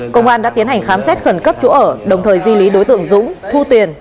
công an đã tiến hành khám xét khẩn cấp chỗ ở đồng thời di lý đối tượng dũng thu tiền